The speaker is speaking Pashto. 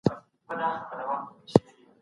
قحطي به زموږ ټولنه له منځه یوسي.